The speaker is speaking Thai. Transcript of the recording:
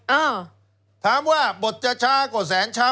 เออถามว่าบทจะช้าก็แสนช้า